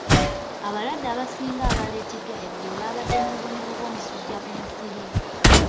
Abalwadde abasinga abaaleeteddwa eggulo baabadde n'obubonero bw'omusujja gw'ensiri.